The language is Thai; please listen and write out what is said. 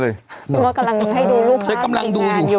เพราะว่ากำลังให้ดูรูปภาพทีมงานอยู่